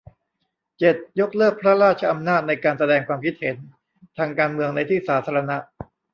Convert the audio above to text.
เจ็ด ยกเลิกพระราชอำนาจในการแสดงความคิดเห็นทางการเมืองในที่สาธารณะ